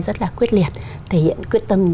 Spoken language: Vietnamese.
rất là quyết liệt thể hiện quyết tâm